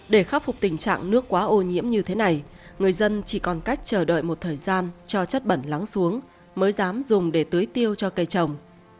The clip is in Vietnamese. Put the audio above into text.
để khắc phục tình trạng nước quá ô nhiễm như thế này người dân chỉ còn cách chờ đợi một thời gian cho chất bẩn lắng xuống mới dám dùng để tưới tiêu cho cây trồng